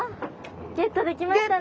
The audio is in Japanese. ゲットできましたね。